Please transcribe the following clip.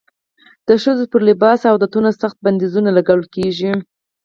د ښځو پر لباس او عادتونو سخت بندیزونه لګول کېږي.